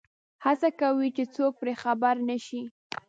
هڅه کوي چې څوک پرې خبر نه شي.